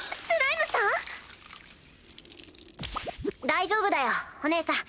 大丈夫だよお姉さん。